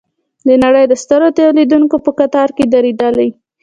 د نړۍ د سترو تولیدوونکو په کتار کې دریدلي.